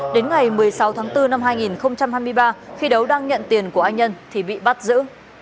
đến ngày một mươi sáu tháng bốn năm hai nghìn hai mươi ba khi đấu đang nhận tiền của anh nhân thì bị bắt giữ